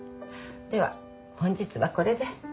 では本日はこれで。